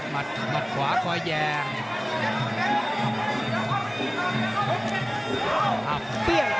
หมัดขวาคอยแย่ง